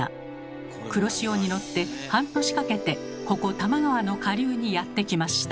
黒潮に乗って半年かけてここ多摩川の下流にやって来ました。